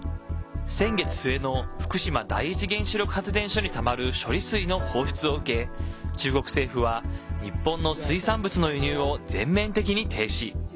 先月末の福島第一原子力発電所にたまる処理水の放出を受け中国政府は日本の水産物の輸入を全面的に停止。